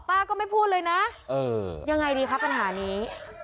ป้าก็ไม่พูดเลยนะยังไงดีครับปัญหานี้